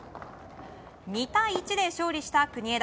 ２対１で勝利した国枝。